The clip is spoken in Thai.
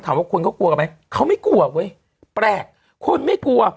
ถามว่าคนก็กลัวกันไหมเค้าไม่กลัวเว้ยแปลกคนไม่กลัว